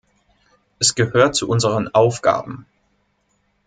Es gehört zu unseren Aufgaben.